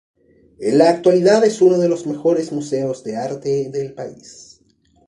En la actualidad es uno de los mejores museos de arte del país.